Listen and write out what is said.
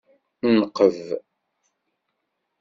Nqeb.